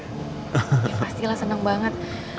ya pastilah seneng banget